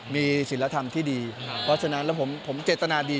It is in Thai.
มีศิลธรรมที่ดีเพราะฉะนั้นแล้วผมเจตนาดี